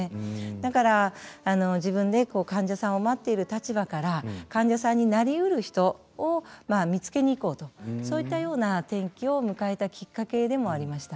だから自分で患者さんを待っている立場から患者さんになりうる人を見つけに行こうとそういったような転機を迎えたきっかけでもありました。